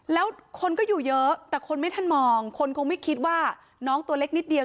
แล้วคนก็อยู่เยอะแต่คนไม่ทันมองคนคงไม่คิดว่าน้องตัวเล็กนิดเดียว